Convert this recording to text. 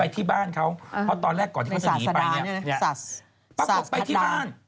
แต่ก่อนที่เขาหนีไปเนี่ยปรากฎไปที่บ้าน